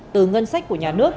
từ ngân sách của nhà nước